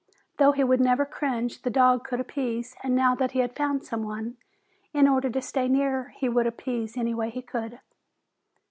Though he would never cringe, the dog would appease, and now that he had found someone, in order to stay near he would appease any way he could.